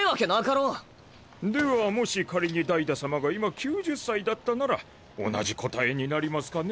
ではもし仮にダイダ様が今９０歳だったなら同じ答えになりますかね。